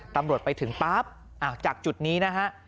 ตำรวจไปถึงปั๊บจากจุดนี้นะฮะ